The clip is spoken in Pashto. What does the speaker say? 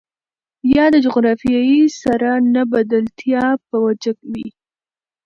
يا د جغرافيې سره نه بلدتيا په وجه وي.